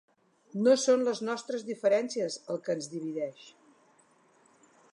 No són les nostres diferències el que ens divideix.